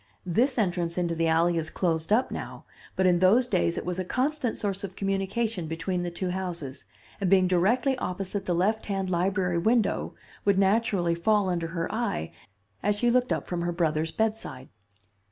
This entrance into the alley is closed up now, but in those days it was a constant source of communication between the two houses, and, being directly opposite the left hand library window, would naturally fall under her eye as she looked up from her brother's bedside.